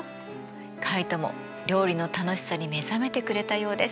カイトも料理の楽しさに目覚めてくれたようです。